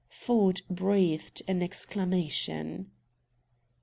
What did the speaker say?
Ford breathed an exclamation.